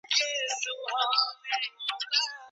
خپلواک کار کول ماشومان مسؤلیت منونکي کوي.